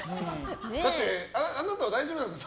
だって、あなた大丈夫なんでしょ？